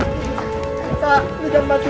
aku harus kejar ular itu